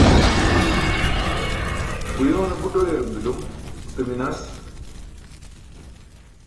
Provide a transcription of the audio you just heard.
uyoone buṭ uyarum bilum gute minas